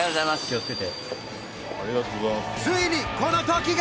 ついにこのときが！